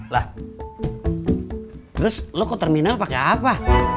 lah terus lu ke terminal pake apa